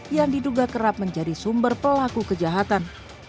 yang diduga kerap menjadi sumber pelaku kejahatan